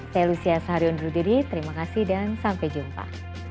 saya lucia saharion terima kasih dan sampai jumpa